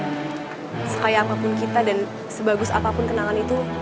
sekaya apapun kita dan sebagus apapun kenangan itu